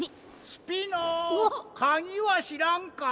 ・スピノかぎはしらんか？